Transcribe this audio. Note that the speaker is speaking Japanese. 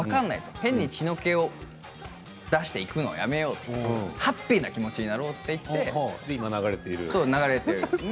変に血の気を出していくのはやめようハッピーな気持ちに今、曲が流れていますね。